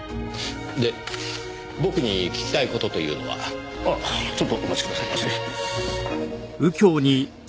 で僕に聞きたい事というのは？あっちょっとお待ちくださいませ。